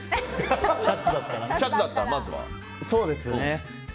シャツだったら、まずは。